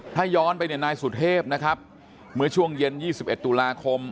ถ้าย้อนไปเนี่ยนายสุเทพนะครับเมื่อช่วงเย็น๒๑ตุลาคม